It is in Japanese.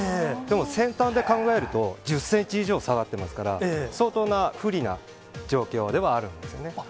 でも先端で考えると、１０センチ以上下がってますから、相当な不利な状況ではあるんですよね。